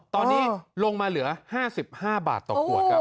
ตอนนี้ลงมาเหลือ๕๕บาทต่อขวดครับ